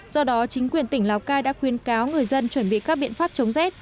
do đó chính quyền tỉnh lào cai đã khuyên cáo người dân chuẩn bị các biện pháp chống rét